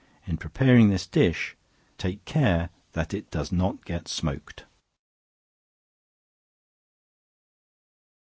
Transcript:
In preparing this dish, take care that it does not get smoked.